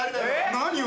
何を？